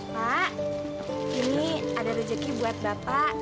pak ini ada rezeki buat bapak